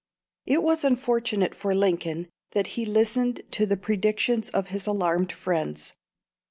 It was unfortunate for Lincoln that he listened to the predictions of his alarmed friends.